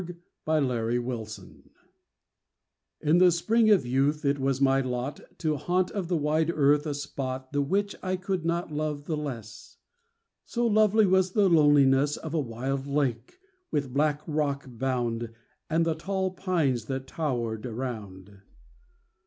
1831. THE LAKE —— TO—— In spring of youth it was my lot To haunt of the wide earth a spot The which I could not love the less— So lovely was the loneliness Of a wild lake, with black rock bound, And the tall pines that tower'd around.